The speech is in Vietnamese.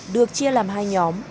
được chia làm hai nhóm